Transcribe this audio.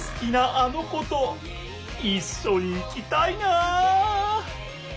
あの子といっしょに行きたいな！